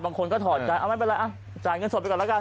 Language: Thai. บางคนก็ถอดใจเอาไม่เป็นไรจ่ายเงินสดไปก่อนแล้วกัน